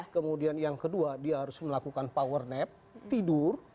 kemudian yang kedua dia harus melakukan power nep tidur